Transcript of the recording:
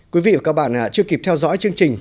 quý vị và các bạn chưa kịp theo dõi chương trình